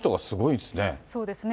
そうですね。